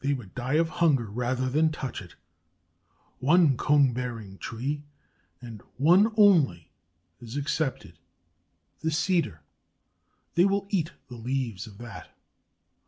They would die of hunger rather than touch it! One cone bearing tree and one only is excepted: the cedar. They will eat the leaves of that.